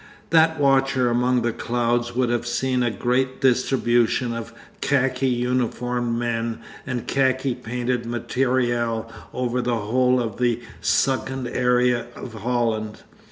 That watcher among the clouds would have seen a great distribution of khaki uniformed men and khaki painted material over the whole of the sunken area of Holland.